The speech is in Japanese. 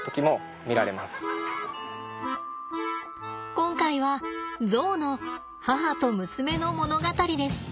今回はゾウの母と娘の物語です。